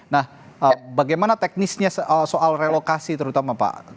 nah bagaimana teknisnya soal relokasi terutama pak